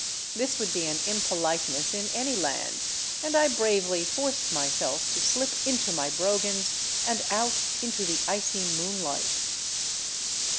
This would be an impoliteness in any land, and I bravely forced myself to slip into my brogans and out into the icy moonlight.